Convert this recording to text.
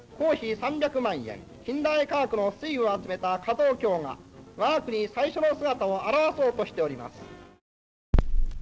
近代科学の粋を集めた可動橋が我が国最初の姿を現そうとしております」。